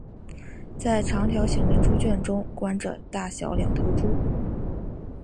在长条形的猪圈中关着大小两头猪。